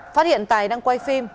phát hiện tài đang quay phim